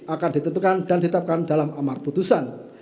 akan ditentukan dan ditetapkan dalam amar putusan